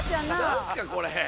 何すかこれ。